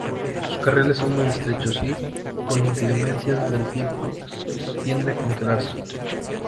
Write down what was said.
Sus carriles son muy estrechos y, con inclemencias del tiempo, tiende a congelarse.